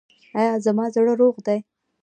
ایا زما زړه روغ دی؟